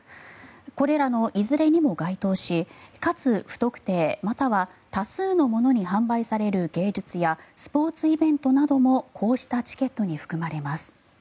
これらのいずれにも該当しかつ、不特定または多数の者に販売される芸術やスポーツイベントなどもこうしたチケットに含まれます。